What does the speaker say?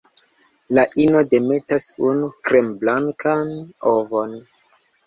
La ino demetas unu kremblankan ovon.